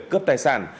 cướp tài sản